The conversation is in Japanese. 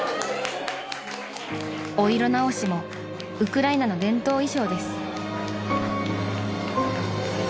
［お色直しもウクライナの伝統衣装です］